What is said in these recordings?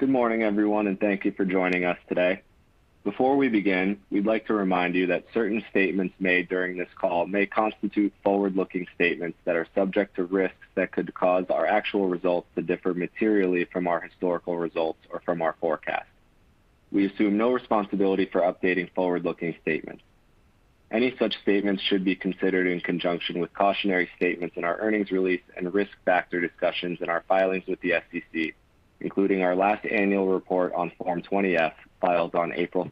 Good morning, everyone, and thank you for joining us today. Before we begin, we'd like to remind you that certain statements made during this call may constitute forward-looking statements that are subject to risks that could cause our actual results to differ materially from our historical results or from our forecast. We assume no responsibility for updating forward-looking statements. Any such statements should be considered in conjunction with cautionary statements in our earnings release and risk factor discussions in our filings with the SEC, including our last annual report on Form 20-F filed on 13 April.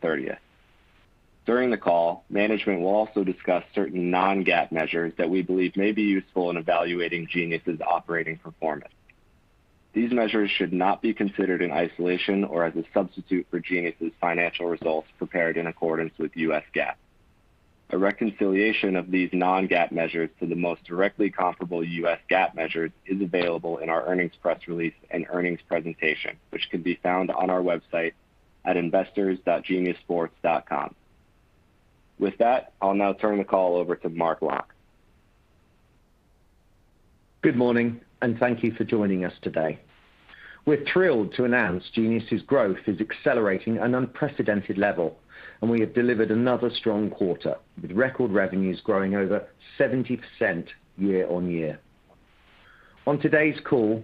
During the call, management will also discuss certain non-GAAP measures that we believe may be useful in evaluating Genius's operating performance. These measures should not be considered in isolation or as a substitute for Genius's financial results prepared in accordance with U.S. GAAP. A reconciliation of these non-GAAP measures to the most directly comparable U.S. GAAP measures is available in our earnings press release and earnings presentation, which can be found on our website at investors.geniussports.com. With that, I'll now turn the call over to Mark Locke. Good morning, and thank you for joining us today. We're thrilled to announce Genius's growth is accelerating an unprecedented level, and we have delivered another strong quarter, with record revenues growing over 70% year-over-year. On today's call,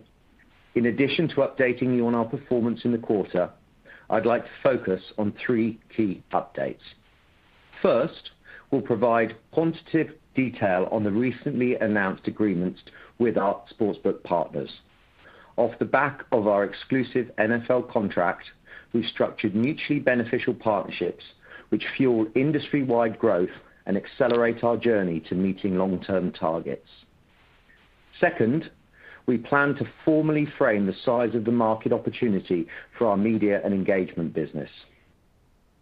in addition to updating you on our performance in the quarter, I'd like to focus on three key updates. First, we'll provide quantitative detail on the recently announced agreements with our sportsbook partners. Off the back of our exclusive NFL contract, we structured mutually beneficial partnerships which fuel industry-wide growth and accelerate our journey to meeting long-term targets. Second, we plan to formally frame the size of the market opportunity for our media and engagement business.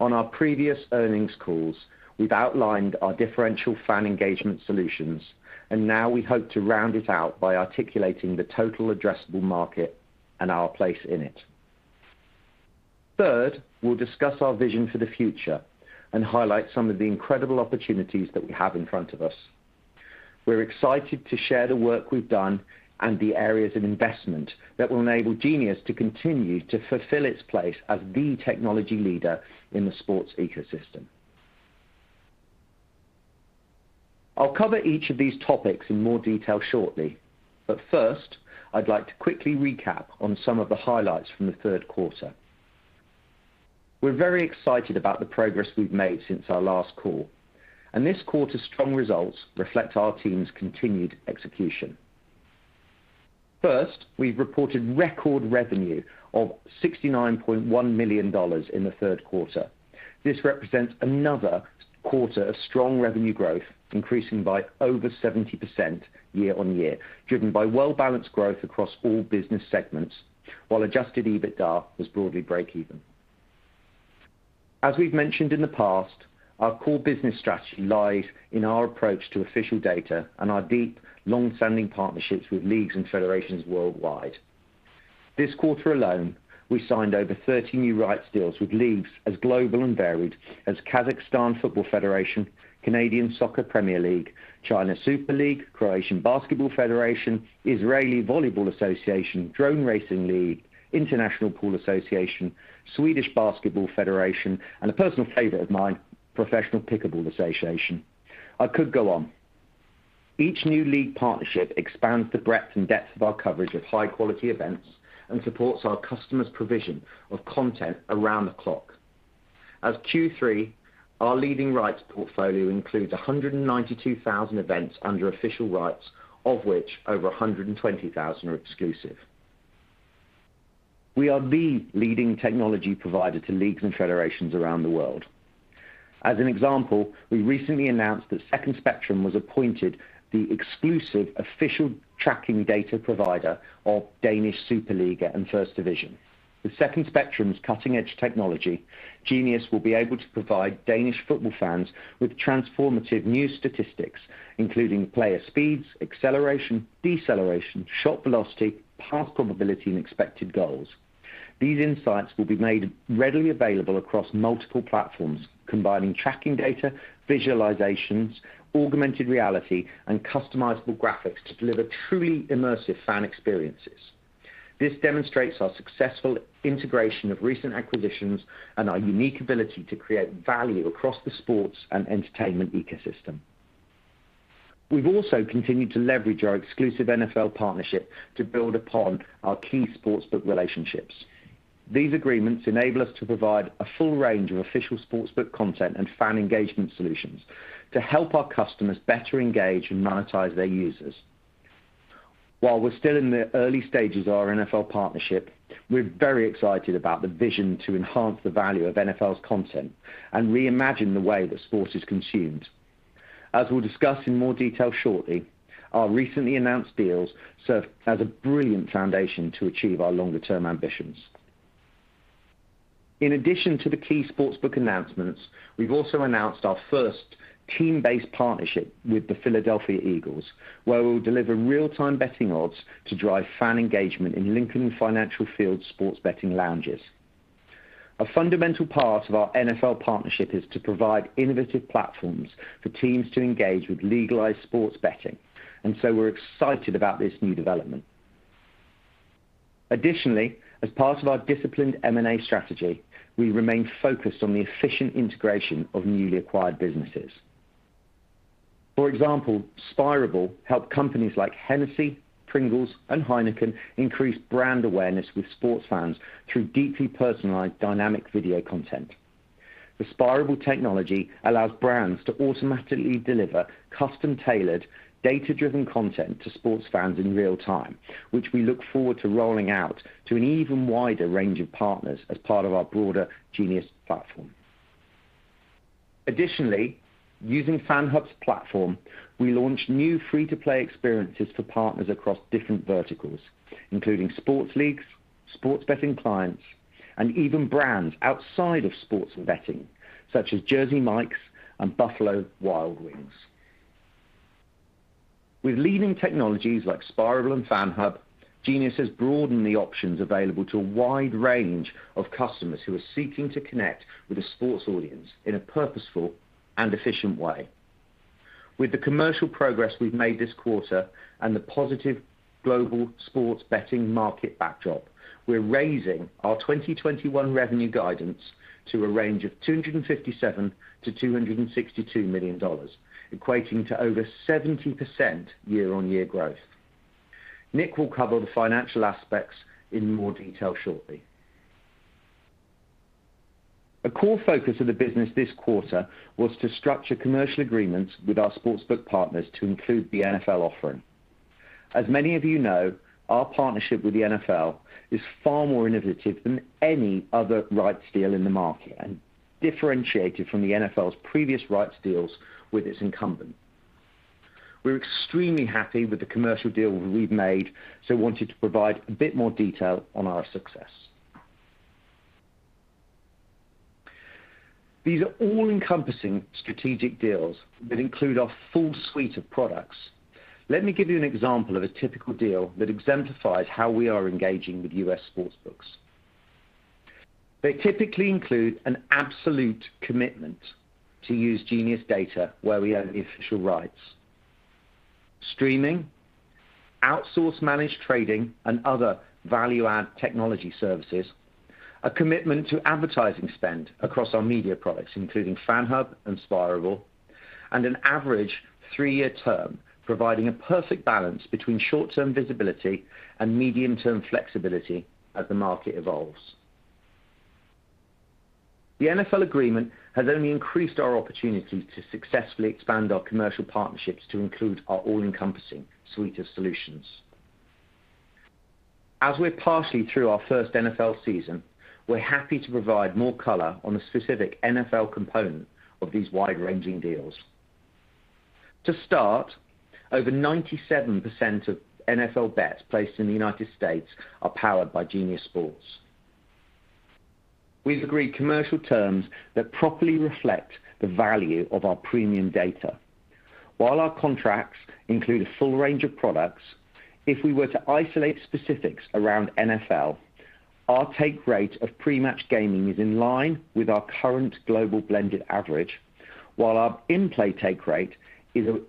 On our previous earnings calls, we've outlined our differential fan engagement solutions, and now we hope to round it out by articulating the total addressable market and our place in it. Third, we'll discuss our vision for the future and highlight some of the incredible opportunities that we have in front of us. We're excited to share the work we've done and the areas of investment that will enable Genius to continue to fulfill its place as the technology leader in the sports ecosystem. I'll cover each of these topics in more detail shortly, but first, I'd like to quickly recap on some of the highlights from the Third Quarter. We're very excited about the progress we've made since our last call, and this quarter's strong results reflect our team's continued execution. First, we've reported record revenue of $69.1 million in the Third Quarter. This represents another quarter of strong revenue growth, increasing by over 70% year-over-year, driven by well-balanced growth across all business segments, while Adjusted EBITDA was broadly breakeven. As we've mentioned in the past, our core business strategy lies in our approach to official data and our deep, long-standing partnerships with leagues and federations worldwide. This quarter alone, we signed over 30 new rights deals with leagues as global and varied as Kazakhstan Football Federation, Canadian Premier League, Chinese Super League, Croatian Basketball Federation, Israeli Volleyball Association, Drone Racing League, International Pool Association, Swedish Basketball Federation, and a personal favorite of mine, Professional Pickleball Association. I could go on. Each new league partnership expands the breadth and depth of our coverage of high-quality events and supports our customers' provision of content around the clock. As of Third Quarter, our leading rights portfolio includes 192,000 events under official rights, of which over 120,000 are exclusive. We are the leading technology provider to leagues and federations around the world. As an example, we recently announced that Second Spectrum was appointed the exclusive official tracking data provider of Danish Superliga and 1st Division. With Second Spectrum's cutting-edge technology, Genius will be able to provide Danish football fans with transformative new statistics, including Player Speeds, Acceleration, Deceleration, Shot Velocity, Pass Velocity, Pass Probability, and Expected Goals. These insights will be made readily available across multiple platforms, combining tracking data, visualizations, augmented reality, and customizable graphics to deliver truly immersive fan experiences. This demonstrates our successful integration of recent acquisitions and our unique ability to create value across the sports and entertainment ecosystem. We've also continued to leverage our exclusive NFL partnership to build upon our key sportsbook relationships. These agreements enable us to provide a full range of official sportsbook content and fan engagement solutions to help our customers better engage and monetize their users. While we're still in the early stages of our NFL partnership, we're very excited about the vision to enhance the value of NFL's content and reimagine the way that sport is consumed. As we'll discuss in more detail shortly, our recently announced deals serve as a brilliant foundation to achieve our longer-term ambitions. In addition to the key sportsbook announcements, we've also announced our first team-based partnership with the Philadelphia Eagles, where we will deliver real-time betting odds to drive fan engagement in Lincoln Financial Field sports betting lounges. A fundamental part of our NFL partnership is to provide innovative platforms for teams to engage with legalized sports betting, and so we're excited about this new development. Additionally, as part of our disciplined M&A strategy, we remain focused on the efficient integration of newly acquired businesses. For example, Spirable helped companies like Hennessy, Pringles, and Heineken increase brand awareness with sports fans through deeply personalized dynamic video content. The Spirable technology allows brands to automatically deliver custom-tailored, data-driven content to sports fans in real time, which we look forward to rolling out to an even wider range of partners as part of our broader Genius platform. Additionally, using FanHub's platform, we launched new free-to-play experiences for partners across different verticals, including sports leagues, sports betting clients, and even brands outside of sports and betting, such as Jersey Mike's and Buffalo Wild Wings. With leading technologies like Spirable and FanHub, Genius has broadened the options available to a wide range of customers who are seeking to connect with a sports audience in a purposeful and efficient way. With the commercial progress we've made this quarter and the positive Global Sports Betting Market backdrop, we're raising our 2021 revenue guidance to a range of $257-262 million, equating to over 70% year-on-year growth. Nick will cover the financial aspects in more detail shortly. A core focus of the business this quarter was to structure commercial agreements with our sportsbook partners to include the NFL offering. As many of you know, our partnership with the NFL is far more innovative than any other rights deal in the market and differentiated from the NFL's previous rights deals with its incumbent. We're extremely happy with the commercial deal we've made, so wanted to provide a bit more detail on our success. These are all-encompassing strategic deals that include our full suite of products. Let me give you an example of a typical deal that exemplifies how we are engaging with U.S. sportsbooks. They typically include an absolute commitment to use Genius data where we own the official rights, streaming, outsource managed trading, and other value-add technology services, a commitment to advertising spend across our media products, including FanHub and Spirable, and an average three-year term, providing a perfect balance between short-term visibility and medium-term flexibility as the market evolves. The NFL agreement has only increased our opportunity to successfully expand our commercial partnerships to include our all-encompassing suite of solutions. As we're partially through our first NFL season, we're happy to provide more color on the specific NFL component of these wide-ranging deals. To start, over 97% of NFL bets placed in the United States are powered by Genius Sports. We've agreed commercial terms that properly reflect the value of our premium data. While our contracts include a full range of products, if we were to isolate specifics around NFL, our take rate of pre-match gaming is in line with our current global blended average, while our in-play take rate is a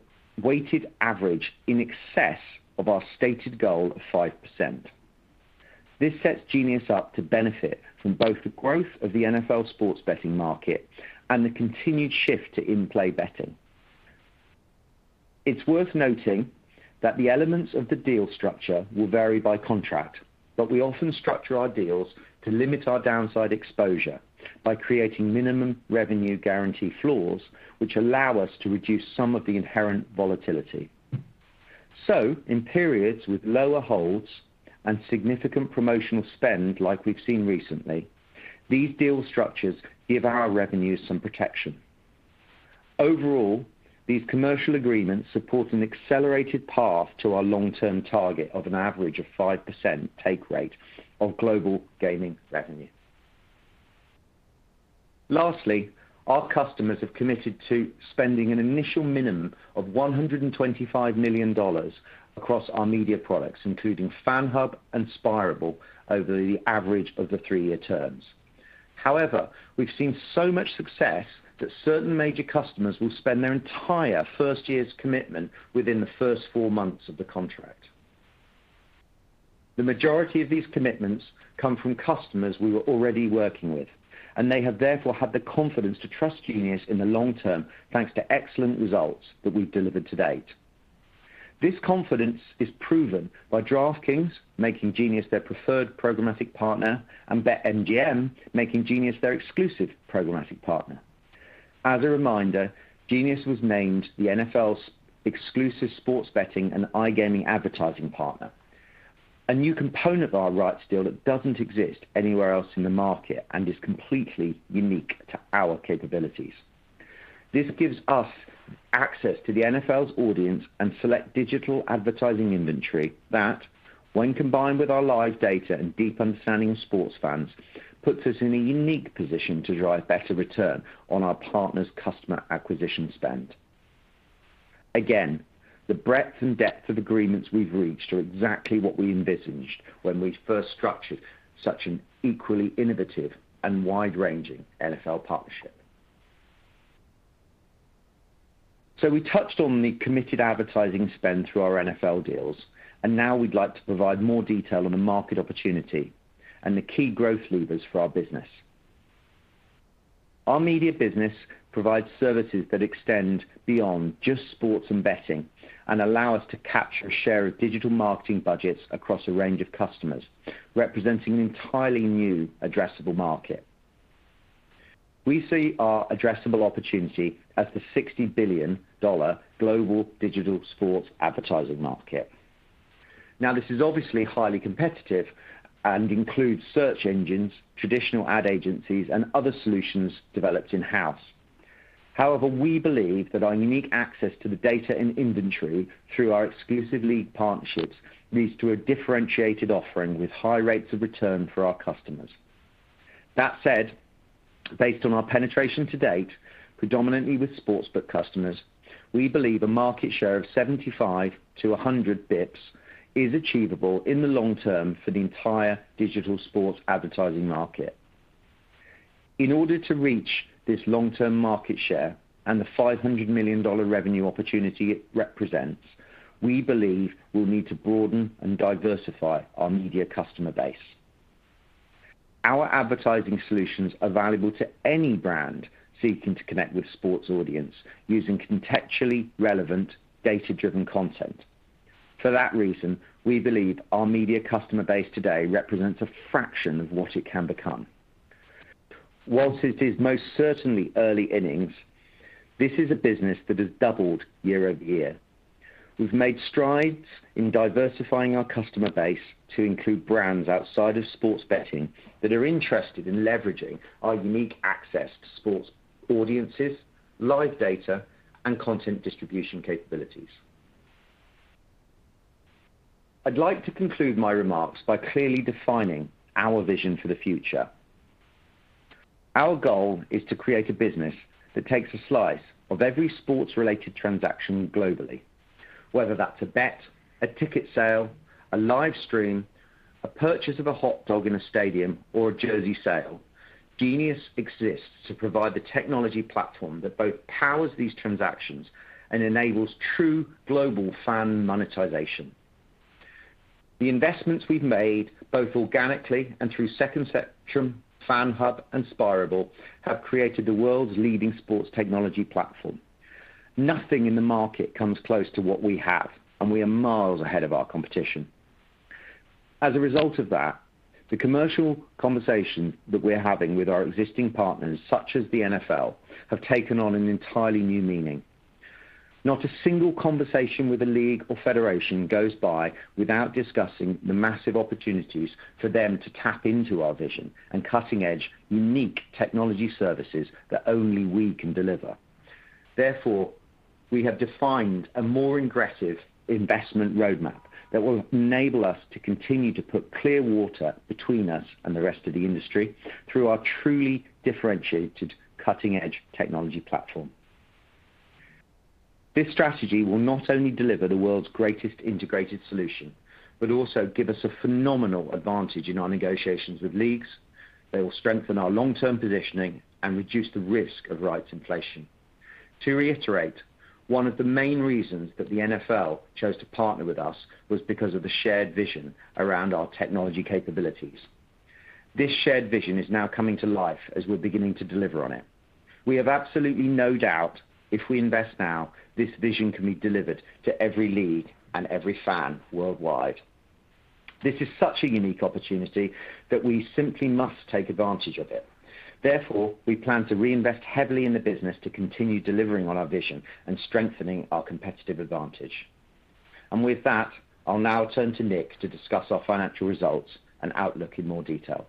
weighted average in excess of our stated goal of 5%. This sets Genius up to benefit from both the growth of the NFL sports betting market and the continued shift to in-play betting. It's worth noting that the elements of the deal structure will vary by contract, but we often structure our deals to limit our downside exposure by creating minimum revenue guarantee floors, which allow us to reduce some of the inherent volatility. In periods with lower holds and significant promotional spend like we've seen recently, these deal structures give our revenues some protection. Overall, these commercial agreements support an accelerated path to our long-term target of an average of 5% take rate of global gaming revenue. Lastly, our customers have committed to spending an initial minimum of $125 million across our media products, including FanHub and Spirable, over the average of the three-year terms. However, we've seen so much success that certain major customers will spend their entire first year's commitment within the first four months of the contract. The majority of these commitments come from customers we were already working with, and they have therefore had the confidence to trust Genius in the long term, thanks to excellent results that we've delivered to date. This confidence is proven by DraftKings making Genius their preferred programmatic partner and BetMGM making Genius their exclusive programmatic partner. As a reminder, Genius was named the NFL's exclusive sports betting and iGaming advertising partner, a new component of our rights deal that doesn't exist anywhere else in the market and is completely unique to our capabilities. This gives us access to the NFL's audience and select digital advertising inventory that when combined with our live data and deep understanding of sports fans, puts us in a unique position to drive better return on our partners' customer acquisition spend. Again, the breadth and depth of agreements we've reached are exactly what we envisaged when we first structured such an equally innovative and wide-ranging NFL partnership. We touched on the committed advertising spend through our NFL deals, and now we'd like to provide more detail on the market opportunity and the key growth levers for our business. Our media business provides services that extend beyond just sports and betting and allow us to capture a share of digital marketing budgets across a range of customers, representing an entirely new addressable market. We see our addressable opportunity as the $60 billion global digital sports advertising market. Now, this is obviously highly competitive and includes search engines, traditional ad agencies, and other solutions developed in-house. However, we believe that our unique access to the data and inventory through our exclusive league partnerships leads to a differentiated offering with high rates of return for our customers. That said, based on our penetration to date, predominantly with sportsbook customers, we believe a market share of 75-100 basis points is achievable in the long term for the entire digital sports advertising market. In order to reach this long-term market share and the $500 million revenue opportunity it represents, we believe we'll need to broaden and diversify our media customer base. Our advertising solutions are valuable to any brand seeking to connect with sports audience using contextually relevant data-driven content. For that reason, we believe our media customer base today represents a fraction of what it can become. While it is most certainly early innings, this is a business that has doubled year-over-year. We've made strides in diversifying our customer base to include brands outside of sports betting that are interested in leveraging our unique access to sports audiences, live data, and content distribution capabilities. I'd like to conclude my remarks by clearly defining our vision for the future. Our goal is to create a business that takes a slice of every sports-related transaction globally, whether that's a bet, a ticket sale, a live stream, a purchase of a hot dog in a stadium, or a jersey sale. Genius exists to provide the technology platform that both powers these transactions and enables true global fan monetization. The investments we've made, both organically and through Second Spectrum, FanHub, and Spirable, have created the world's leading sports technology platform. Nothing in the market comes close to what we have, and we are miles ahead of our competition. As a result of that, the commercial conversations that we're having with our existing partners, such as the NFL, have taken on an entirely new meaning. Not a single conversation with a league or federation goes by without discussing the massive opportunities for them to tap into our vision and cutting-edge, unique technology services that only we can deliver. Therefore, we have defined a more aggressive investment roadmap that will enable us to continue to put clear water between us and the rest of the industry through our truly differentiated cutting-edge technology platform. This strategy will not only deliver the world's greatest integrated solution, but also give us a phenomenal advantage in our negotiations with leagues. They will strengthen our long-term positioning and reduce the risk of rights inflation. To reiterate, one of the main reasons that the NFL chose to partner with us was because of the shared vision around our technology capabilities. This shared vision is now coming to life as we're beginning to deliver on it. We have absolutely no doubt, if we invest now, this vision can be delivered to every league and every fan worldwide. This is such a unique opportunity that we simply must take advantage of it. Therefore, we plan to reinvest heavily in the business to continue delivering on our vision and strengthening our competitive advantage. With that, I'll now turn to Nick to discuss our financial results and outlook in more detail.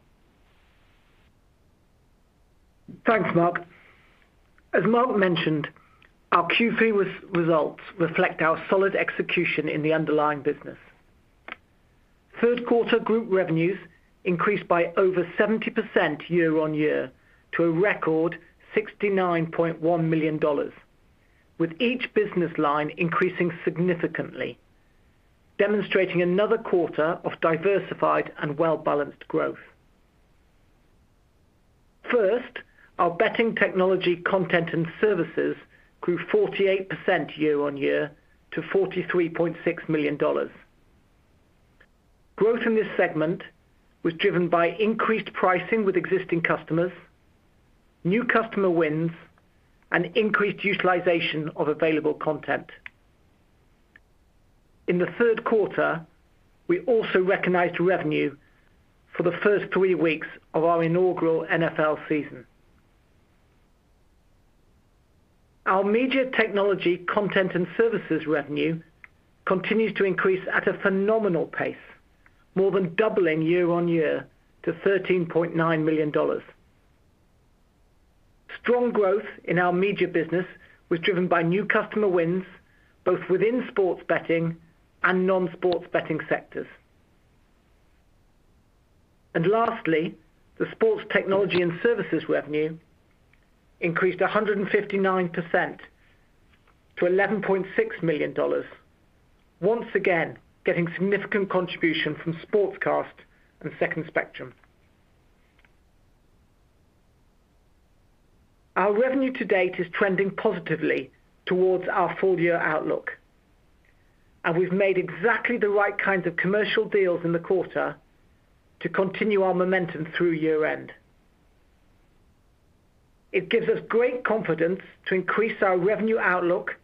Thanks, Mark. As Mark mentioned, our Third Quarter results reflect our solid execution in the underlying business. Third Quarter group revenues increased by over 70% year-on-year to a record $69.1 million, with each business line increasing significantly, demonstrating another quarter of diversified and well-balanced growth. First, our betting technology content and services grew 48% year-on-year to $43.6 million. Growth in this segment was driven by increased pricing with existing customers, new customer wins, and increased utilization of available content. In the Third Quarter, we also recognized revenue for the first three weeks of our inaugural NFL season. Our media technology content and services revenue continues to increase at a phenomenal pace, more than doubling year-on-year to $13.9 million. Strong growth in our media business was driven by new customer wins, both within sports betting and non-sports betting sectors. Lastly, the sports technology and services revenue increased 159% to $11.6 million. Once again, getting significant contribution from Sportscast and Second Spectrum. Our revenue to date is trending positively towards our full year outlook, and we've made exactly the right kinds of commercial deals in the quarter to continue our momentum through year-end. Itngives us great confidence to increase our revenue outlook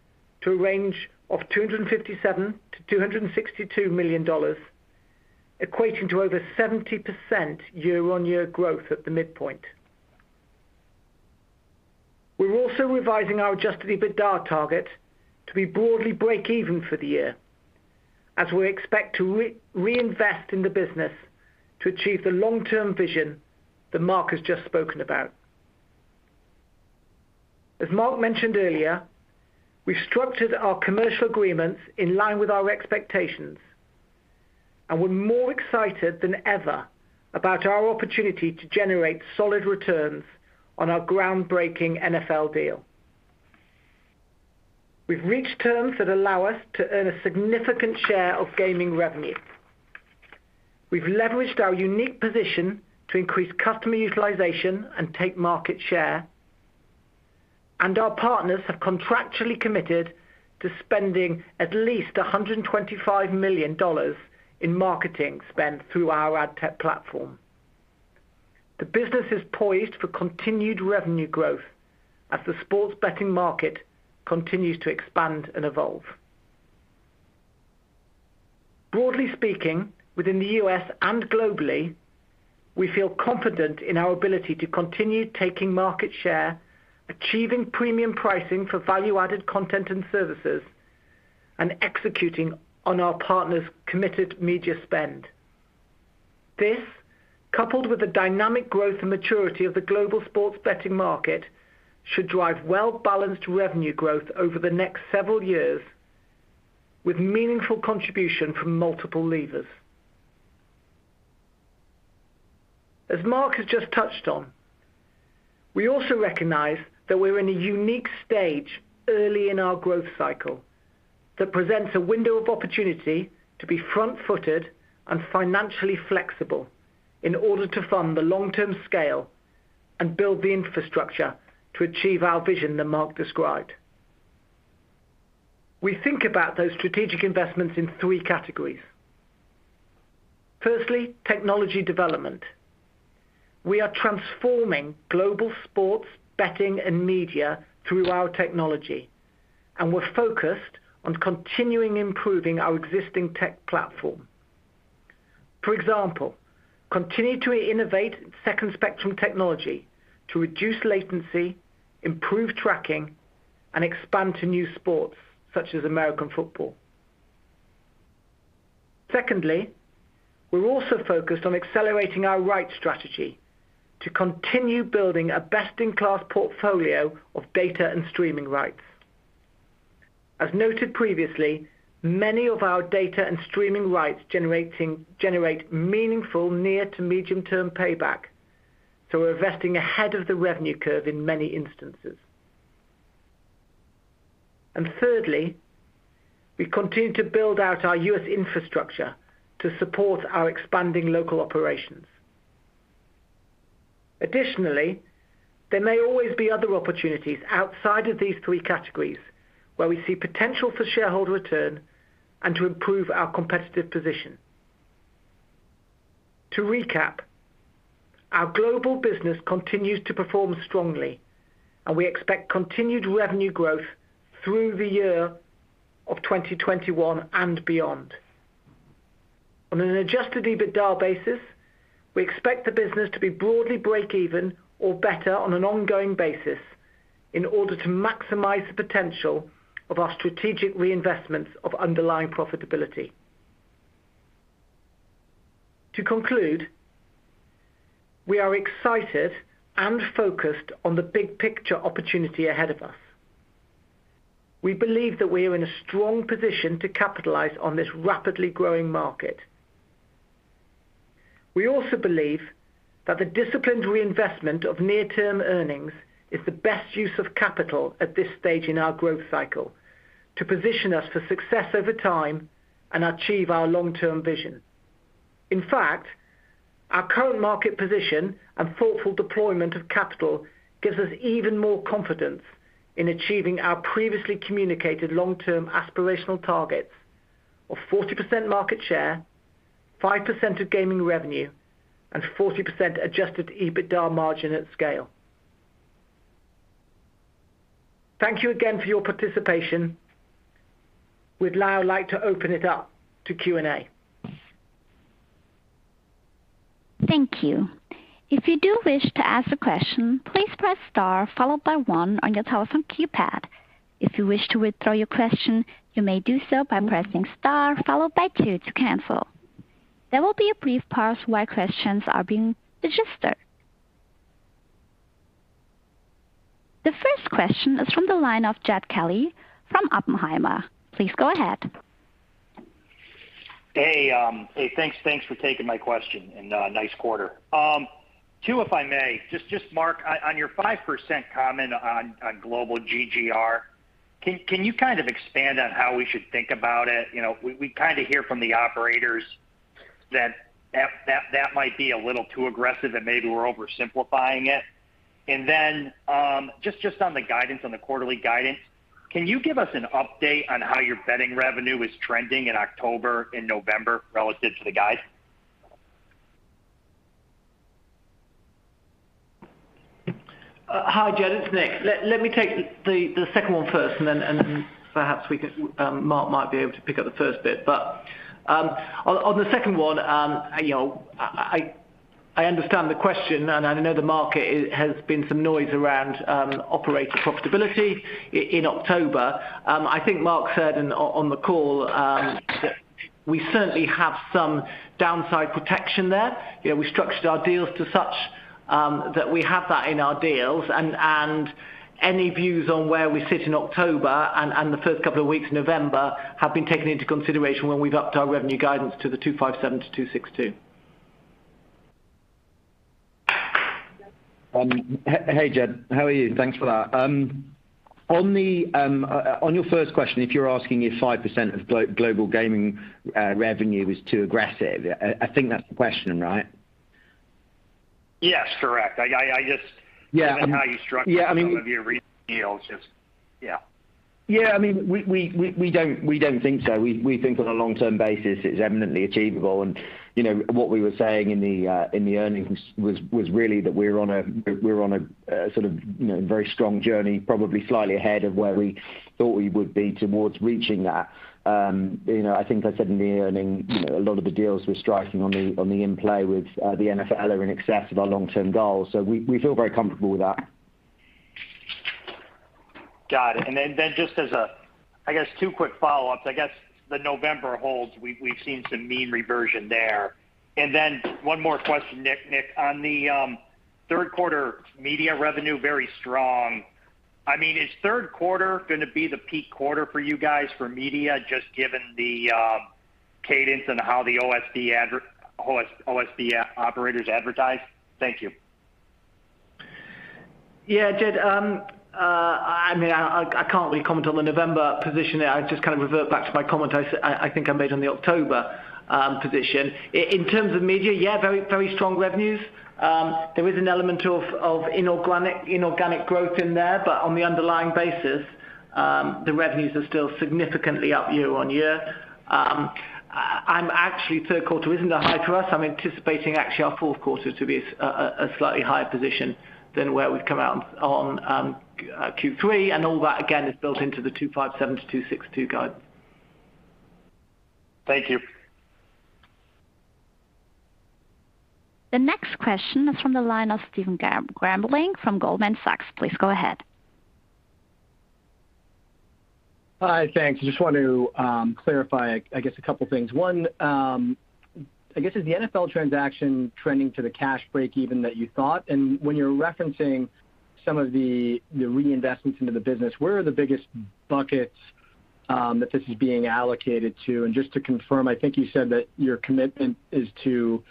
to a range of $257millon -$262 million, equating to over 70% year-on-year growth at the midpoint. We're also revising our Adjusted EBITDA target to be broadly break even for the year as we expect to reinvest in the business to achieve the long-term vision that Mark has just spoken about. As Mark mentioned earlier, we've structured our commercial agreements in line with our expectations, and we're more excited than ever about our opportunity to generate solid returns on our groundbreaking NFL deal. We've reached terms that allow us to earn a significant share of gaming revenue. We've leveraged our unique position to increase customer utilization and take market share, and our partners have contractually committed to spending at least $125 million in marketing spend through our ad tech platform. The business is poised for continued revenue growth as the sports betting market continues to expand and evolve. Broadly speaking, within the U.S. and globally, we feel confident in our ability to continue taking market share, achieving premium pricing for value-added content and services, and executing on our partners' committed media spend. This, coupled with the dynamic growth and maturity of the global sports betting market, should drive well balanced revenue growth over the next several years with meaningful contribution from multiple levers. As Mark has just touched on, we also recognize that we're in a unique stage early in our growth cycle that presents a window of opportunity to be front-footed and financially flexible in order to fund the long-term scale and build the infrastructure to achieve our vision that Mark described. We think about those strategic investments in three categories. Firstly, technology development. We are transforming global sports betting and media through our technology, and we're focused on continuing to improve our existing tech platform. For example, continue to innovate Second Spectrum technology to reduce latency, improve tracking, and expand to new sports such as American football. Secondly, we're also focused on accelerating our rights strategy to continue building a best-in-class portfolio of data and streaming rights. As noted previously, many of our data and streaming rights generate meaningful near to medium term payback, so we're investing ahead of the revenue curve in many instances. Thirdly, we continue to build out our U.S. infrastructure to support our expanding local operations. Additionally, there may always be other opportunities outside of these three categories where we see potential for shareholder return and to improve our competitive position. To recap, our global business continues to perform strongly, and we expect continued revenue growth through the year of 2021 and beyond. On an Adjusted EBITDA basis, we expect the business to be broadly break even or better on an ongoing basis in order to maximize the potential of our strategic reinvestments of underlying profitability. To conclude, we are excited and focused on the big picture opportunity ahead of us. We believe that we are in a strong position to capitalize on this rapidly growing market. We also believe that the disciplined reinvestment of near-term earnings is the best use of capital at this stage in our growth cycle to position us for success over time and achieve our long-term vision. In fact, our current market position and thoughtful deployment of capital gives us even more confidence in achieving our previously communicated long-term aspirational targets of 40% market share, 5% of gaming revenue, and 40% Adjusted EBITDA margin at scale. Thank you again for your participation. We'd now like to open it up to Q&A. Question is from the line of Jed Kelly from Oppenheimer. Please go ahead. Hey, thanks for taking my question and, nice quarter. Two if I may, just Mark on your 5% comment on global GGR, can you kind of expand on how we should think about it? You know, we kind of hear from the operators that that might be a little too aggressive and maybe we're oversimplifying it. Just on the quarterly guidance, can you give us an update on how your betting revenue is trending in October and November relative to the guide? Hi, Jed, it's Nick. Let me take the second one first and then perhaps we can. Mark might be able to pick up the first bit. On the second one, you know, I understand the question, and I know the market. There has been some noise around operator profitability in October. I think Mark said on the call that we certainly have some downside protection there. You know, we structured our deals to such that we have that in our deals and any views on where we sit in October and the first couple of weeks in November have been taken into consideration when we've upped our revenue guidance to $257-$262. Hey, Jed, how are you? Thanks for that. On your first question, if you're asking if 5% of global gaming revenue is too aggressive, I think that's the question, right? Yes, correct. I just. Yeah. -how you structure- Yeah, I mean. some of your recent deals just, yeah. Yeah. I mean, we don't think so. We think on a long-term basis, it's eminently achievable. You know, what we were saying in the earnings was really that we're on a sort of, you know, very strong journey, probably slightly ahead of where we thought we would be towards reaching that. You know, I think I said in the earnings, you know, a lot of the deals we're striking on the in-play with the NFL are in excess of our long-term goals, so we feel very comfortable with that. Got it. Just as a, I guess, two quick follow-ups, I guess the November holds, we've seen some mean reversion there. One more question, Nick, on the Third Quarter media revenue, very strong. I mean, is Third Quarter gonna be the peak quarter for you guys for media just given the cadence and how the OSB operators advertise? Thank you. Yeah, Jed. I mean, I can't really comment on the November position. I'd just kind of revert back to my comment I think I made on the October position. In terms of media, yeah, very strong revenues. There is an element of inorganic growth in there, but on the underlying basis, the revenues are still significantly up year-over-year. Actually, our Third Quarter isn't that high to us. I'm anticipating our fourth quarter to be a slightly higher position than where we've come out on Third Quarter. All that again is built into the 257-$262 guide. Thank you. The next question is from the line of Stephen Grambling from Goldman Sachs. Please go ahead. Hi. Thanks. I just want to clarify I guess a couple things. One, I guess, is the NFL transaction trending to the cash breakeven that you thought? And when you're referencing some of the reinvestments into the business, where are the biggest buckets that this is being allocated to? And just to confirm, I think you said that your commitment is to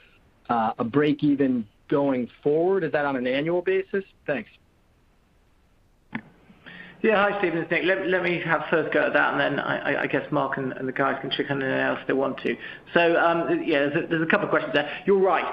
a breakeven going forward. Is that on an annual basis? Thanks. Yeah. Hi, Stephen, it's Nick. Let me have first go at that, and then I guess Mark and the guys can chip in anything else they want to. Yeah, there's a couple questions there. You're right.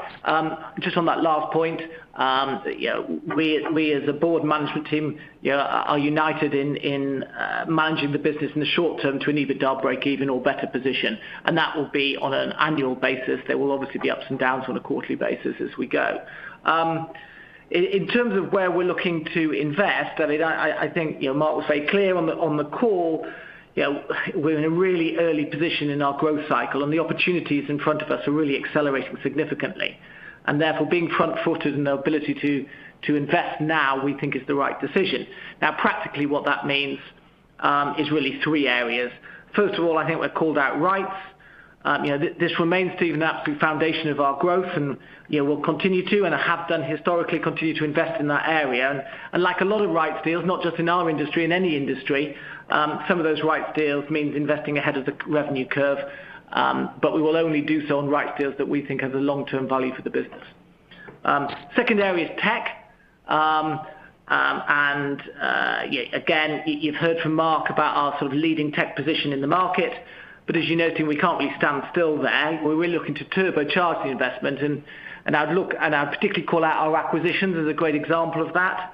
Just on that last point, you know, we as a board management team, you know, are united in managing the business in the short term to an EBITDA breakeven or better position, and that will be on an annual basis. There will obviously be ups and downs on a quarterly basis as we go. In terms of where we're looking to invest, I mean, I think, you know, Mark was very clear on the call, you know, we're in a really early position in our growth cycle, and the opportunities in front of us are really accelerating significantly. Therefore, being front-footed in the ability to invest now, we think is the right decision. Now, practically what that means is really three areas. First of all, I think we've called out rights. You know, this remains to be the absolute foundation of our growth and, you know, we'll continue to invest in that area and have done historically. Like a lot of rights deals, not just in our industry, in any industry, some of those rights deals means investing ahead of the revenue curve, but we will only do so on rights deals that we think have a long-term value for the business. Second area is tech. And yeah, again, you've heard from Mark about our sort of leading tech position in the market. But as you noted, we can't really stand still there. We're really looking to turbocharge the investment and I'd particularly call out our acquisitions as a great example of that.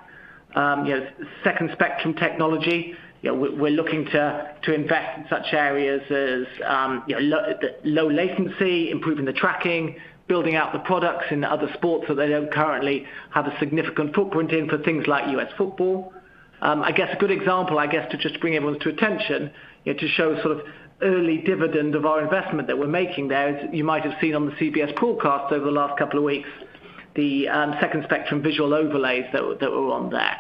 Second Spectrum technology, we're looking to invest in such areas as low latency, improving the tracking, building out the products in other sports that they don't currently have a significant footprint in for things like US football. I guess a good example to just bring everyone to attention to show sort of early dividend of our investment that we're making there is you might have seen on the CBS broadcast over the last couple of weeks, the Second Spectrum visual overlays that were on there.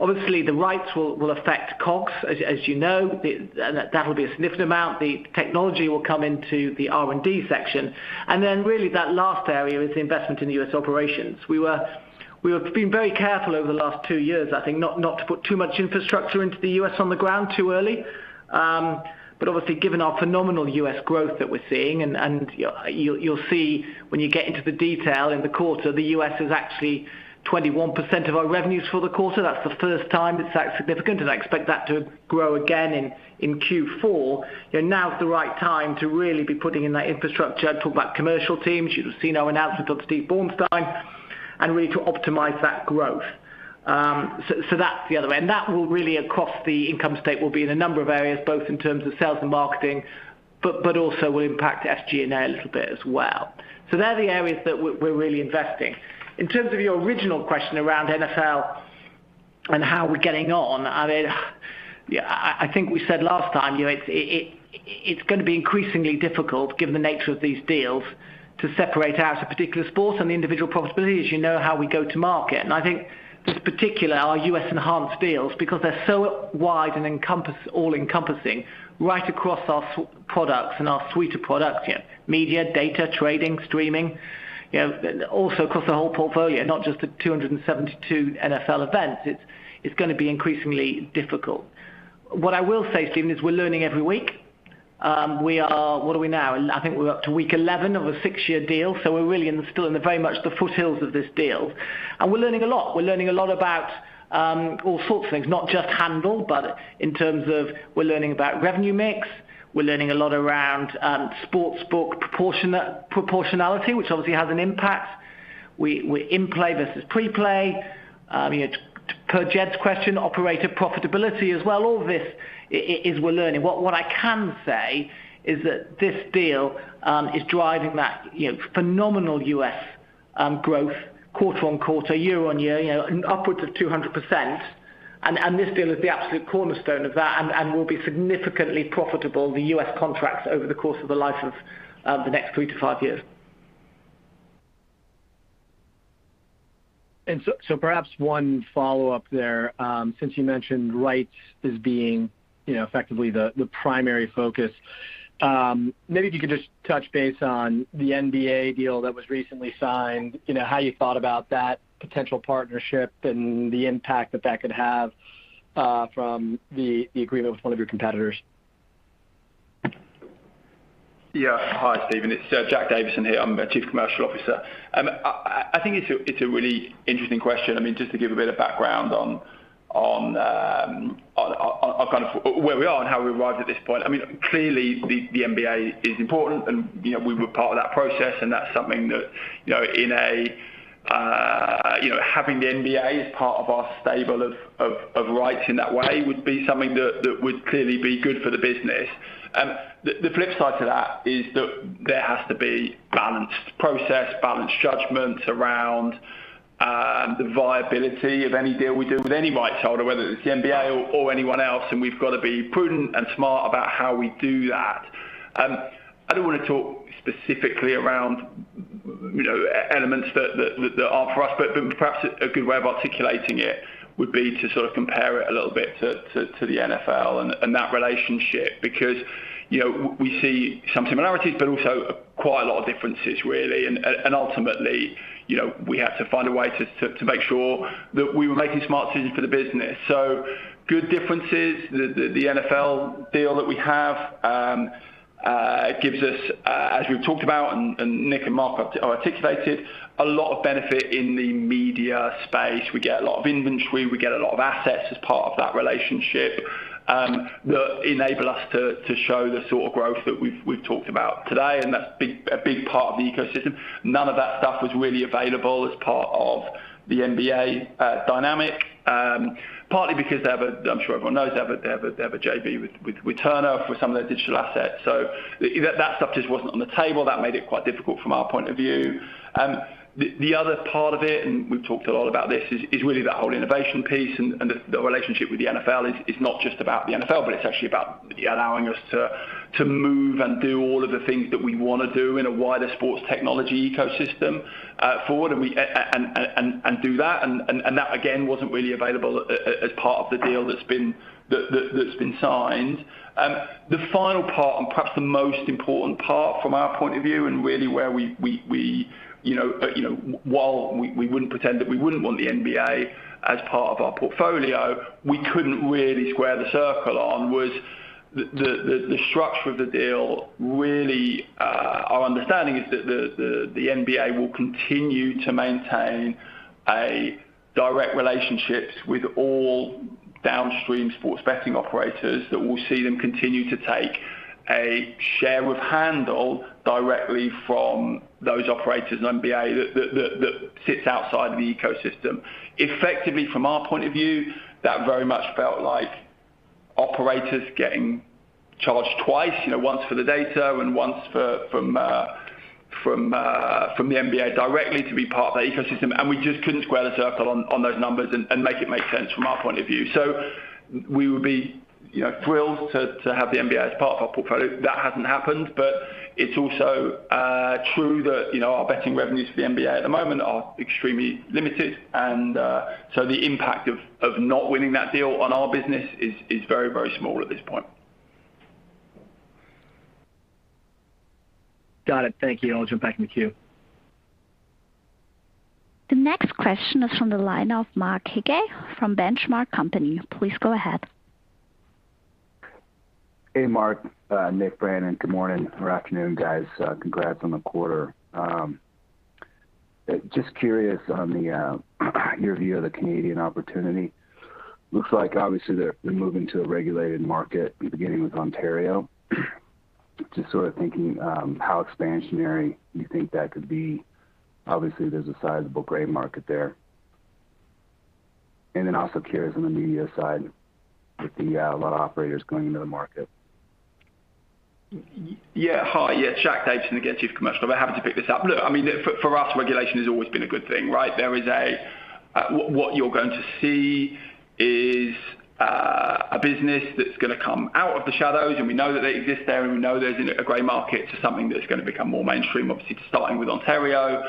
Obviously the rights will affect costs as you know, and that'll be a significant amount. The technology will come into the R&D section. Then really that last area is the investment in the U.S. operations. We have been very careful over the last two years, I think not to put too much infrastructure into the U.S. on the ground too early. But obviously given our phenomenal U.S. growth that we're seeing and you'll see when you get into the detail in the quarter, the U.S. is actually 21% of our revenues for the quarter. That's the first time it's that significant, and I expect that to grow again in Q4. You know, now is the right time to really be putting in that infrastructure. I talk about commercial teams. You've seen our announcement of Steve Bornstein and really to optimize that growth. So that's the other way. That will really, across the income statement, be in a number of areas, both in terms of sales and marketing, but also will impact SG&A a little bit as well. So they're the areas that we're really investing. In terms of your original question around NFL and how we're getting on, I think we said last time, you know, it's gonna be increasingly difficult given the nature of these deals to separate out a particular sport and the individual profitability as you know how we go to market. I think this particular, our U.S. enhanced deals, because they're so wide and encompassing right across our products and our suite of products. Yeah, media, data, trading, streaming, you know, also across the whole portfolio, not just the 272 NFL events. It's gonna be increasingly difficult. What I will say, Stephen, is we're learning every week. What are we now? I think we're up to week 11 of a six-year deal, so we're really still very much in the foothills of this deal. We're learning a lot about all sorts of things, not just handle, but in terms of we're learning about revenue mix. We're learning a lot around sportsbook proportionality, which obviously has an impact. We in play versus pre-play, you know, to per Jed's question, operator profitability as well. All this is we're learning. What I can say is that this deal is driving that, you know, phenomenal U.S. growth quarter-on-quarter, year-on-year, you know, upwards of 200%. This deal is the absolute cornerstone of that and will be significantly profitable, the U.S. contracts over the course of the life of the next three to five years. Perhaps one follow-up there, since you mentioned rights as being, you know, effectively the primary focus, maybe if you could just touch base on the NBA deal that was recently signed, you know, how you thought about that potential partnership and the impact that could have from the agreement with one of your competitors. Yeah. Hi, Stephen. It's Jack Davison here. I'm the Chief Commercial Officer. I think it's a really interesting question. I mean, just to give a bit of background on kind of where we are and how we arrived at this point. I mean, clearly the NBA is important and, you know, we were part of that process, and that's something that, you know, having the NBA as part of our stable of rights in that way would be something that would clearly be good for the business. The flip side to that is that there has to be balanced process, balanced judgment around the viability of any deal we do with any rights holder, whether it's the NBA or anyone else, and we've got to be prudent and smart about how we do that. I don't wanna talk specifically around, you know, elements that are for us, but perhaps a good way of articulating it would be to sort of compare it a little bit to the NFL and that relationship because, you know, we see some similarities, but also quite a lot of differences, really. Ultimately, you know, we have to find a way to make sure that we were making smart decisions for the business. Good differences. The NFL deal that we have gives us, as we've talked about and Nick and Mark have articulated, a lot of benefit in the media space. We get a lot of inventory, we get a lot of assets as part of that relationship that enable us to show the sort of growth that we've talked about today, and that's a big part of the ecosystem. None of that stuff was really available as part of the NBA dynamic, partly because they have a JV with Turner for some of their digital assets. I'm sure everyone knows they have a JV with Turner. That stuff just wasn't on the table. That made it quite difficult from our point of view. The other part of it, and we've talked a lot about this, is really that whole innovation piece and the relationship with the NFL is not just about the NFL, but it's actually about allowing us to move and do all of the things that we wanna do in a wider sports technology ecosystem forward and do that and that again wasn't really available as part of the deal that's been signed. The final part and perhaps the most important part from our point of view and really where we, you know, while we wouldn't pretend that we wouldn't want the NBA as part of our portfolio, we couldn't really square the circle on was the structure of the deal really. Our understanding is that the NBA will continue to maintain direct relationships with all downstream sports betting operators that will see them continue to take a share of handle directly from those operators and NBA that sits outside the ecosystem. Effectively, from our point of view, that very much felt like operators getting charged twice, you know, once for the data and once from the NBA directly to be part of the ecosystem. We just couldn't square the circle on those numbers and make it make sense from our point of view. We would be, you know, thrilled to have the NBA as part of our portfolio. That hasn't happened, but it's also true that, you know, our betting revenues for the NBA at the moment are extremely limited and so the impact of not winning that deal on our business is very, very small at this point. Got it. Thank you. I'll jump back in the queue. The next question is from the line of Mike Hickey from Benchmark Company. Please go ahead. Hey, Mark. Nick Taylor. Good morning or afternoon, guys. Congrats on the quarter. Just curious on your view of the Canadian opportunity. Looks like obviously they're moving to a regulated market, beginning with Ontario. Just sort of thinking how expansionary you think that could be. Obviously, there's a sizable gray market there. Also curious on the media side with a lot of operators going into the market. Yeah. Hi. Yeah, Jack Davison again, Chief Commercial. Happy to pick this up. Look, I mean, for us, regulation has always been a good thing, right? What you're going to see is a business that's gonna come out of the shadows, and we know that they exist there, and we know there's a gray market to something that's gonna become more mainstream, obviously, starting with Ontario.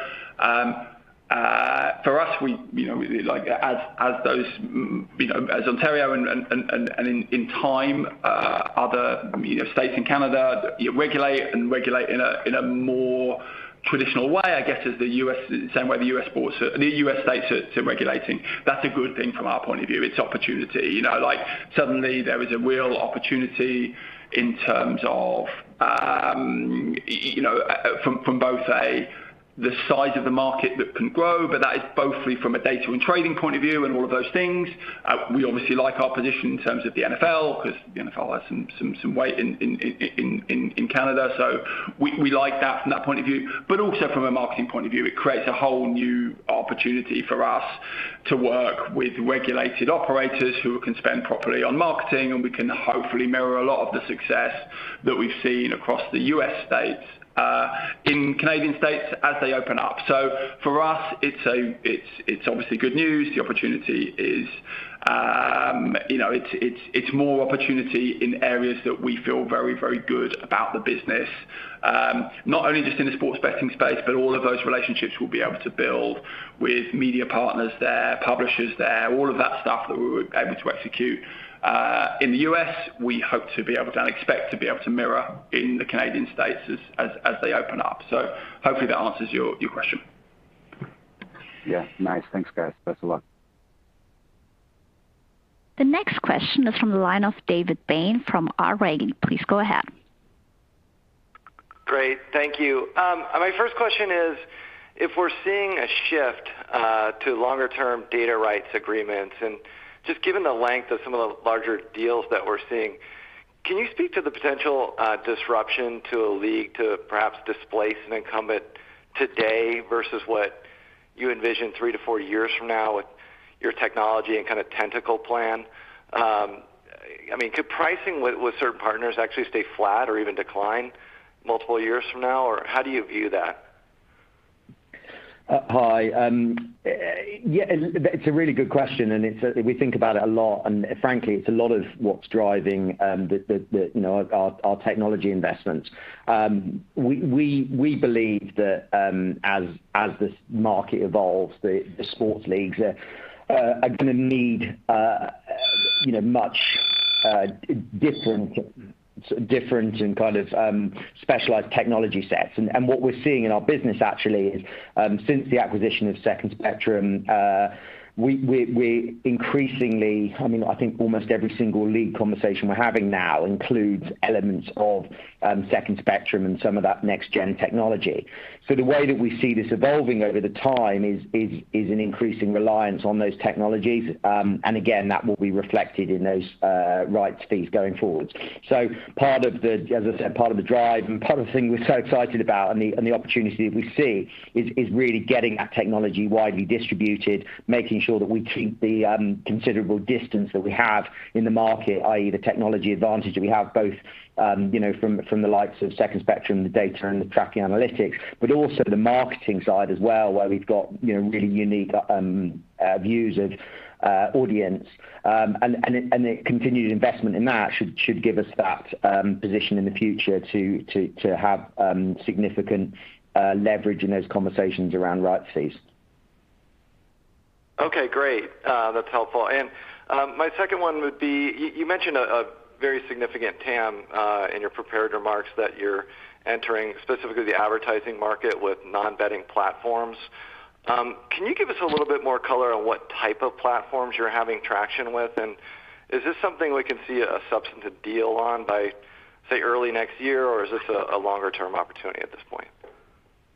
For us, you know, like as those, you know, as Ontario and in time other, you know, states in Canada regulate in a more traditional way, I guess, as the U.S. states are regulating. That's a good thing from our point of view. It's opportunity. You know, like, suddenly there is a real opportunity in terms of, you know, from both a, the size of the market that can grow, but that is both from a data and trading point of view and all of those things. We obviously like our position in terms of the NFL because the NFL has some weight in Canada. We like that from that point of view. Also from a marketing point of view, it creates a whole new opportunity for us to work with regulated operators who can spend properly on marketing, and we can hopefully mirror a lot of the success that we've seen across the U.S. states in Canadian states as they open up. For us, it's obviously good news. The opportunity is, you know, it's more opportunity in areas that we feel very good about the business. Not only just in the sports betting space, but all of those relationships we'll be able to build with media partners there, publishers there, all of that stuff that we were able to execute in the U.S., we hope to be able to and expect to be able to mirror in the Canadian states as they open up. Hopefully that answers your question. Yeah. Nice. Thanks, guys. Best of luck. The next question is from the line of David Bain from B. Riley. Please go ahead. Great. Thank you. My first question is, if we're seeing a shift to longer term data rights agreements, and just given the length of some of the larger deals that we're seeing, can you speak to the potential disruption to a league to perhaps displace an incumbent today versus what you envision three to four years from now with your technology and kinda tentacle plan? I mean, could pricing with certain partners actually stay flat or even decline multiple years from now? Or how do you view that? Hi. Yeah, it's a really good question, and it's we think about it a lot. Frankly, it's a lot of what's driving the you know our technology investments. We believe that as this market evolves the sports leagues are gonna need you know much different and kind of specialized technology sets. What we're seeing in our business actually is since the acquisition of Second Spectrum we're increasingly. I mean, I think almost every single league conversation we're having now includes elements of Second Spectrum and some of that next gen technology. The way that we see this evolving over the time is an increasing reliance on those technologies. Again, that will be reflected in those rights fees going forward. Part of the, as I said, part of the drive and part of the thing we're so excited about and the opportunity that we see is really getting that technology widely distributed, making sure that we keep the considerable distance that we have in the market, i.e. the technology advantage that we have both, you know, from the likes of Second Spectrum, the data and the tracking analytics, but also the marketing side as well, where we've got, you know, really unique views of audience. The continued investment in that should give us that position in the future to have significant leverage in those conversations around rights fees. Okay, great. That's helpful. My second one would be, you mentioned a very significant TAM in your prepared remarks that you're entering specifically the advertising market with non-betting platforms. Can you give us a little bit more color on what type of platforms you're having traction with? And is this something we can see a substantive deal on by, say, early next year, or is this a longer term opportunity at this point?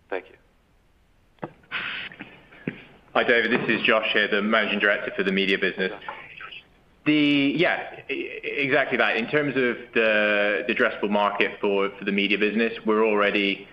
Thank you. Hi, David, this is Josh here, the Managing Director for the media business. Josh. Yeah, exactly that. In terms of the addressable market for the media business, we're already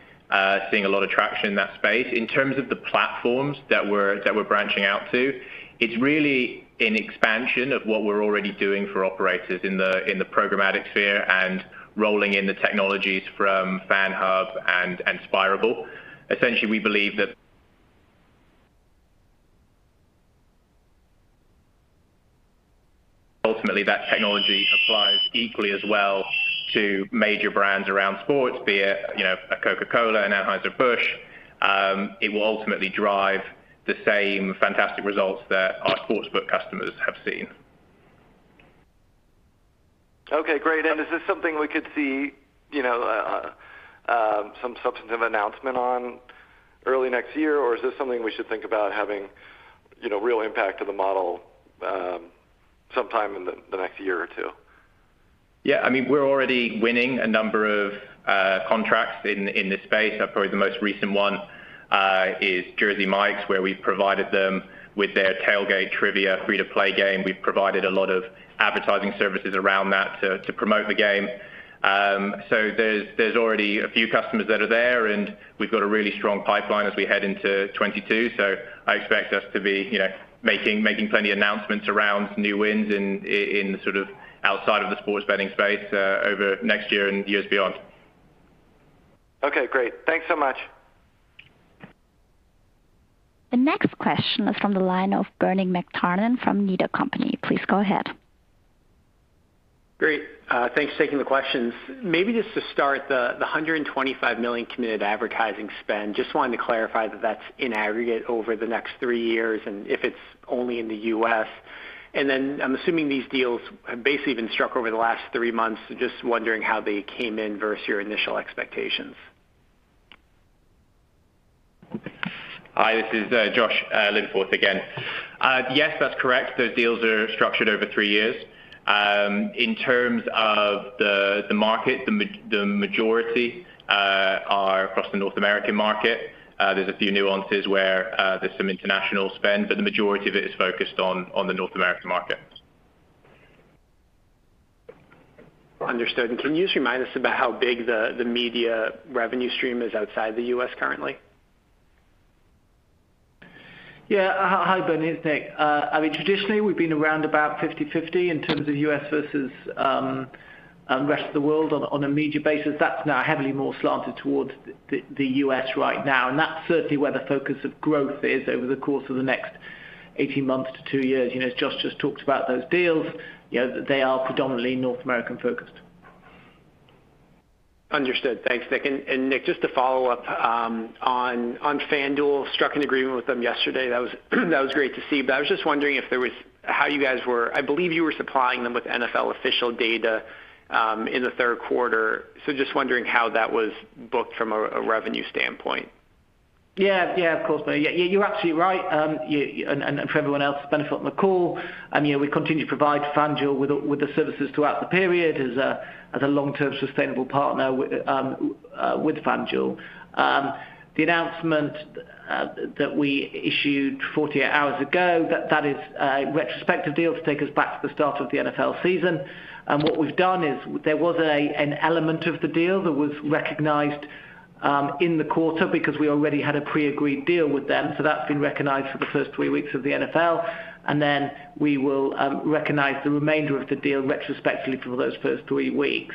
seeing a lot of traction in that space. In terms of the platforms that we're branching out to, it's really an expansion of what we're already doing for operators in the programmatic sphere and rolling in the technologies from FanHub and Spirable. Essentially, we believe that ultimately that technology applies equally as well to major brands around sports, be it, you know, a Coca-Cola, an Anheuser-Busch. It will ultimately drive the same fantastic results that our sportsbook customers have seen. Okay, great. Is this something we could see, you know, some substantive announcement on early next year? Or is this something we should think about having, you know, real impact to the model, sometime in the next year or two? Yeah, I mean, we're already winning a number of contracts in this space. Probably the most recent one is Jersey Mike's, where we've provided them with their Tailgate Trivia free-to-play game. We've provided a lot of advertising services around that to promote the game. There's already a few customers that are there, and we've got a really strong pipeline as we head into 2022. I expect us to be, you know, making plenty of announcements around new wins in the sort of outside of the sports betting space, over next year and years beyond. Okay, great. Thanks so much. The next question is from the line of Bernie McTernan from Needham & Company. Please go ahead. Great. Thanks for taking the questions. Maybe just to start the $125 million committed advertising spend, just wanted to clarify that that's in aggregate over the next three years, and if it's only in the U.S. I'm assuming these deals have basically been struck over the last three months. Just wondering how they came in versus your initial expectations. Hi, this is Josh Linforth again. Yes, that's correct. Those deals are structured over three years. In terms of the market, the majority are across the North American market. There's a few nuances where there's some international spend, but the majority of it is focused on the North American market. Understood. Can you just remind us about how big the media revenue stream is outside the U.S. currently? Yeah. Hi, Bernie, it's Nick. I mean, traditionally, we've been around about 50/50 in terms of U.S. versus rest of the world on a media basis. That's now heavily more slanted towards the U.S. Right now. That's certainly where the focus of growth is over the course of the next 18 months to two years. You know, as Josh just talked about those deals, you know, they are predominantly North American focused. Understood. Thanks, Nick. Nick, just to follow up on FanDuel struck an agreement with them yesterday. That was great to see. I was just wondering. I believe you were supplying them with NFL official data in the Third Quarter. Just wondering how that was booked from a revenue standpoint. Yeah. Yeah, of course, Bernie. Yeah, you're absolutely right. For everyone else's benefit on the call, I mean, we continue to provide FanDuel with the services throughout the period as a long-term sustainable partner with FanDuel. The announcement that we issued 48 hours ago is a retrospective deal to take us back to the start of the NFL season. What we've done is there was an element of the deal that was recognized in the quarter because we already had a pre-agreed deal with them. So that's been recognized for the first three weeks of the NFL, and then we will recognize the remainder of the deal retrospectively for those first three weeks.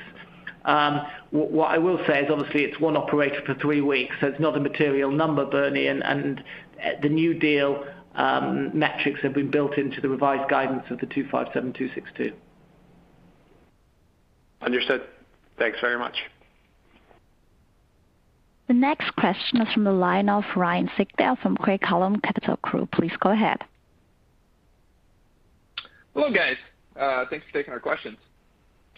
What I will say is, obviously, it's one operator for three weeks, so it's not a material number, Bernie. The new deal metrics have been built into the revised guidance of the$257-$262. Understood. Thanks very much. The next question is from the line of Ryan Sigdahl from Craig-Hallum Capital Group. Please go ahead. Hello, guys. Thanks for taking our questions.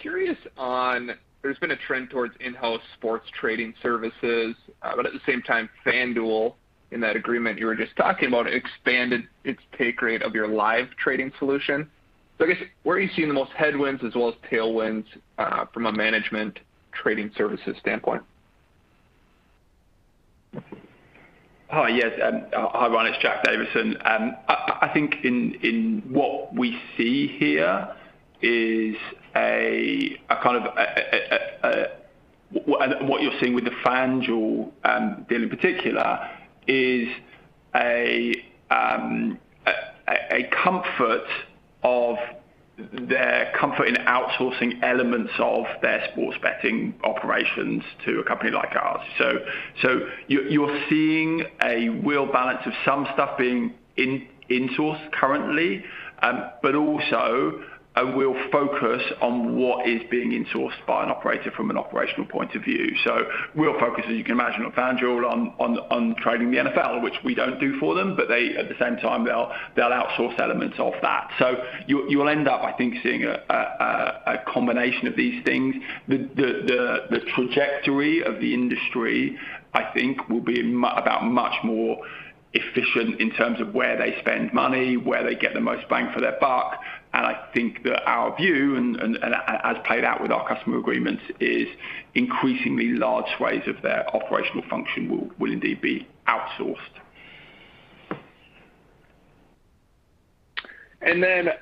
Curious on, there's been a trend towards in-house sports trading services, but at the same time, FanDuel in that agreement you were just talking about expanded its take rate of your live trading solution. I guess where are you seeing the most headwinds as well as tailwinds, from a management trading services standpoint? Hi. Yes. Hi, Ryan. It's Jack Davison. I think what we see here is a kind of what you're seeing with the FanDuel deal in particular is a confirmation of their comfort in outsourcing elements of their sports betting operations to a company like ours. You're seeing a real balance of some stuff being insourced currently, but also a real focus on what is being insourced by an operator from an operational point of view. Real focus, as you can imagine, on FanDuel on trading the NFL, which we don't do for them, but at the same time, they'll outsource elements of that. You will end up, I think, seeing a combination of these things. The trajectory of the industry, I think, will be about much more efficient in terms of where they spend money, where they get the most bang for their buck. I think that our view and as played out with our customer agreements, is increasingly large swathes of their operational function will indeed be outsourced.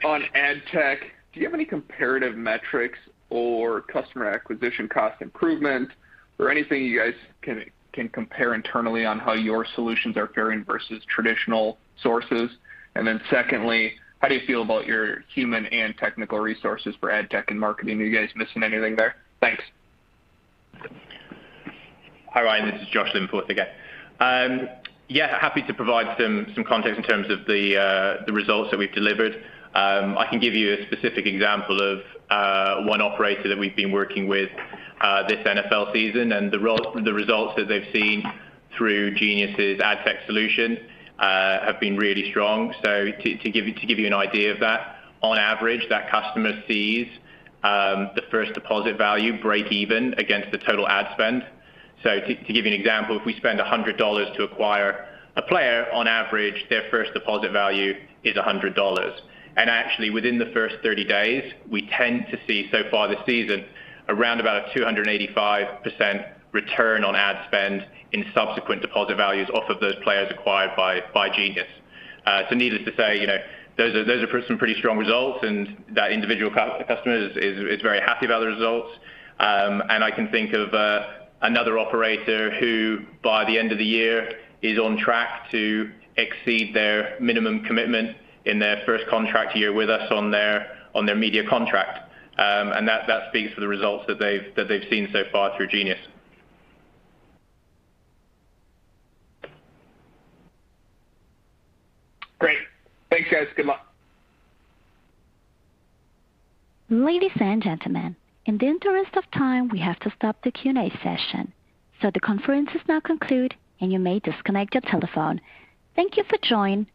on ad tech, do you have any comparative metrics or customer acquisition cost improvement or anything you guys can compare internally on how your solutions are faring versus traditional sources? Secondly, how do you feel about your human and technical resources for ad tech and marketing? Are you guys missing anything there? Thanks. Hi, Ryan, this is Josh Linforth again. Happy to provide some context in terms of the results that we've delivered. I can give you a specific example of one operator that we've been working with this NFL season and the results that they've seen through Genius' ad tech solution have been really strong. To give you an idea of that, on average, that customer sees the first deposit value break even against the total ad spend. To give you an example, if we spend $100 to acquire a player, on average, their first deposit value is $100. Actually, within the first 30 days, we tend to see so far this season around about a 285% return on ad spend in subsequent deposit values off of those players acquired by Genius. So needless to say, you know, those are some pretty strong results, and that individual customer is very happy about the results. I can think of another operator who by the end of the year is on track to exceed their minimum commitment in their first contract year with us on their media contract. That speaks for the results that they've seen so far through Genius. Great. Thanks, guys. Good luck. Ladies and gentlemen, in the interest of time, we have to stop the Q&A session. The conference is now concluded, and you may disconnect your telephone. Thank you for joining-